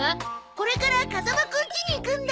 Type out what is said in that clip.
これから風間くんちに行くんだ。